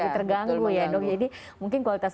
masih terganggu ya dok jadi mungkin kualitas